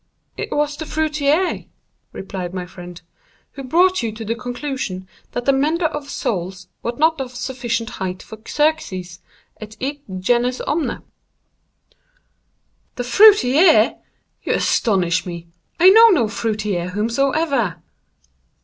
"It was the fruiterer," replied my friend, "who brought you to the conclusion that the mender of soles was not of sufficient height for Xerxes et id genus omne." "The fruiterer!—you astonish me—I know no fruiterer whomsoever."